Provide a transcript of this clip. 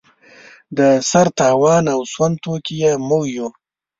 د سر تاوان او سوند توکي یې موږ یو.